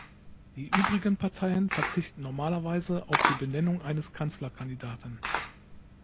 Die übrigen Parteien verzichten normalerweise auf die Benennung eines Kanzlerkandidaten.